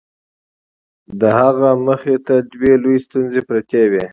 د هغه مخې ته دوې لويې ستونزې پرتې وې.